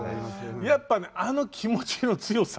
やっぱねあの気持ちの強さ。